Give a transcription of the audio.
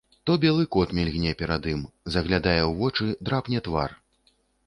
То белы кот мільгне перад ім, заглядае ў вочы, драпне твар.